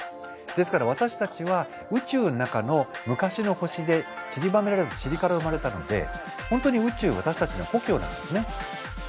ですから私たちは宇宙の中の昔の星でちりばめられたちりから生まれたので本当に宇宙私たちの故郷なんですね。